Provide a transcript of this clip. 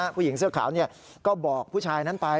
ผู้หญิงเสื้อขาวก็บอกผู้ชายนั้นไป